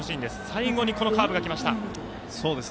最後にカーブがきました。